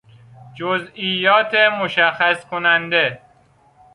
جزئیات مشخص کننده